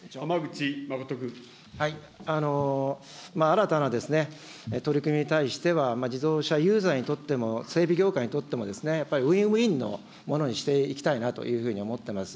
新たな取り組みに対しては、自動車ユーザーにとっても、整備業界にとっても、やっぱりウインウインのものにしていきたいなというふうに思ってます。